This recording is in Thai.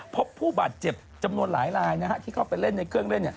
พบผู้บาดเจ็บจำนวนหลายลายที่เข้าไปเล่นในเครื่องเล่น